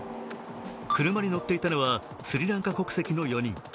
車に乗っていたのはスリランカ国籍の４人。